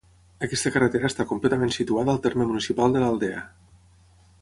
Aquesta carretera està completament situada al terme municipal de l'Aldea.